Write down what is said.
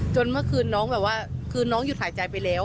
เมื่อคืนน้องแบบว่าคือน้องหยุดหายใจไปแล้ว